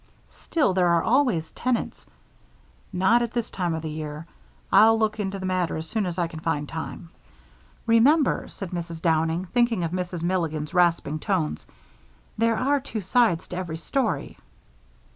"Still, there are always tenants " "Not at this time of the year. I'll look into the matter as soon as I can find time." "Remember," said Mrs. Downing, thinking of Mrs. Milligan's rasping tones, "that there are two sides to every story."